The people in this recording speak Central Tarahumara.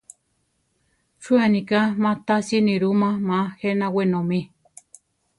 ¿Chú aniká má tasi nirúma ma jéna wenómi?